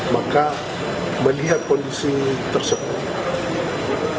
maka melihat kondisi tersebut